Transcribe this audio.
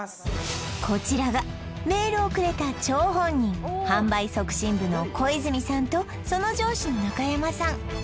こちらがメールをくれた張本人販売促進部の小泉さんとその上司の中山さん